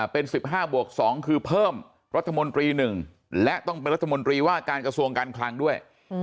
เป็น๑๕บวก๒คือเพิ่มรัฐมนตรี๑และต้องเป็นรัฐมนตรีว่าการกระทรวงการคลังด้วย